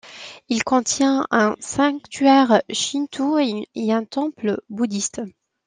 Il contient un sanctuaire shinto et un temple bouddhiste.